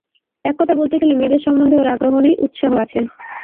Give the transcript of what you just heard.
এক কথায় বলতে গেলে মেয়েদের সম্বন্ধে ওর আগ্রহ নেই, উৎসাহ আছে।